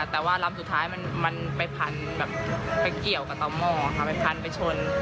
แต่ว่าลำสุดท้ายมันไปพันแบบไปเกี่ยวกับต่อหม้อค่ะไปพันไปชน